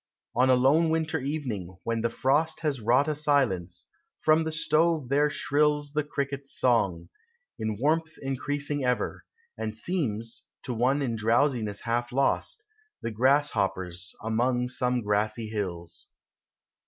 On a lone winter evening, when the frost Has wrought a silence, from the stove there shrills The cricket's song, in warmth increasing ever, And seems, to one in drowsiness half lost, The grasshopper's among some grassy hills.